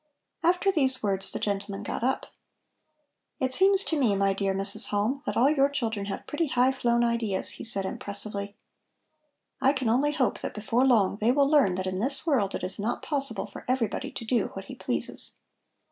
After these words the gentleman got up. "It seems to me, my dear Mrs. Halm, that all your children have pretty high flown ideas," he said impressively. "I can only hope that before long they will learn that in this world it is not possible for everybody to do what he pleases."